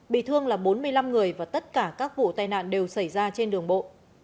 bị thương là bốn mươi năm người và tất cả các vụ tai nạn đều xảy ra trên đường bộ